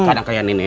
kadang kayak nenek